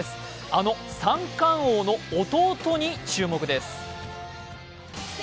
あの三冠王の弟に注目です。